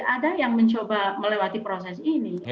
ada yang mencoba melewati proses ini